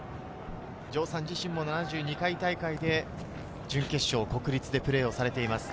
城さん自身は７２回大会で準決勝、国立でプレーをされています。